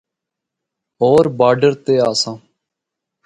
ہور باڈر تے آسا۔